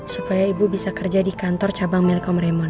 supaya ibu bisa kerja di kantor cabang milik komremon